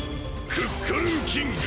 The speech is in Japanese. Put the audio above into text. クックルンキング